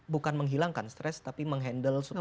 bukan menghilangkan stres tapi menghandle supaya